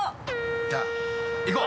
じゃあ行こう。